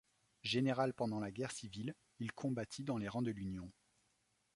Général pendant la guerre civile, il combattit dans les rangs de l'Union.